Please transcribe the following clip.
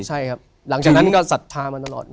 หลังจากนั้นก็สัทธามาตลอด